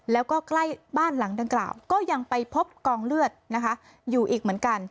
แล้วก็ใกล้บ้านหลังดังกล่าวก็ยังไปพบกองเลือดนะคะอยู่อีกเหมือนกัน